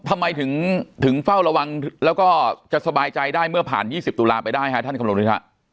ทำไมถึงเฝ้าระวังแล้วก็จะสบายใจได้เมื่อผ่าน๒๐ตุลาไปได้ฮะท่านคำนวณฤทธิฮะ